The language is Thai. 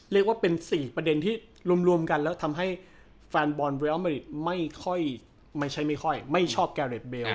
เรียกว่าเป็น๔ประเด็นที่รวมกันทำให้แฟนบอนเรียลไม่ชอบเกล็ดเบล